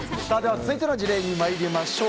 続いての事例に参りましょう。